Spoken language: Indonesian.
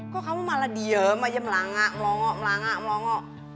kok kamu malah diem aja melangak melongo melangak melongo